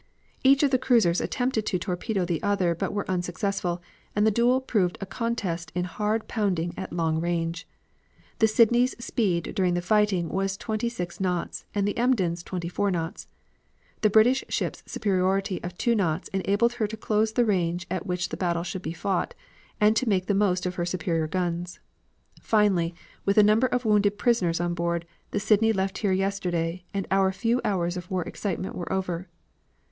"Each of the cruisers attempted to torpedo the other, but both were unsuccessful, and the duel proved a contest in hard pounding at long range. The Sydney's speed during the fighting was twenty six knots, and the Emden's twenty four knots. The British ship's superiority of two knots enabled her to choose the range at which the battle should be fought and to make the most of her superior guns. Finally, with a number of wounded prisoners on board, the Sydney left here yesterday, and our few hours of war excitement were over."